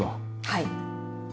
はい。